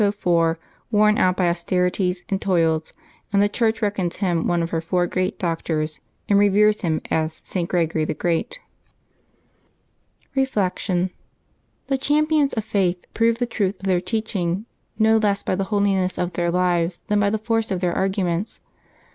604, worn out by austerities and toils ; and the Church reckons him one of her four great doctors, and re'vcres him as St. Gregory the Great. 106 LIVES OF TEE SAINTS [Mabch 13 Reflection. — The champions of faith prove the truth of their teaching no less by the holiness of their lives than br the force of their arguments.